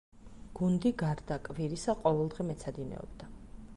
გუნდი გარდა კვირისა, ყოველდღე მეცადინეობდა.